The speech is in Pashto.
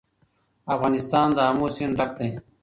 افغانستان له آمو سیند ډک دی.